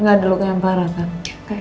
nggak ada luka yang parah kan